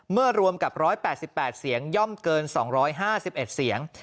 รวมกับ๑๘๘เสียงย่อมเกิน๒๕๑เสียง